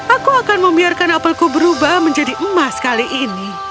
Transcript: aku akan membiarkan apelku berubah menjadi emas kali ini